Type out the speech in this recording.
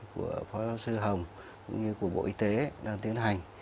của phó giáo sư hồng cũng như của bộ y tế đang tiến hành